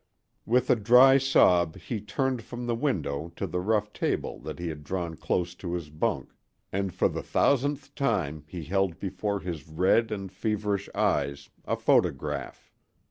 With a dry sob he turned from the window to the rough table that he had drawn close to his bunk, and for the thousandth time he held before his red and feverish eyes a photograph.